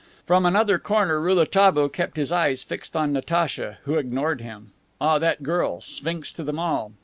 From another corner, Rouletabille kept his eyes fixed on Natacha who ignored him. Ah, that girl, sphinx to them all!